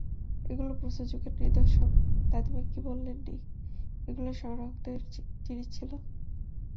এগুলো প্রস্তরযুগের নিদর্শন দাদিমা কি বলেননি এগুলো সংগ্রাহকের জিনিস ছিল?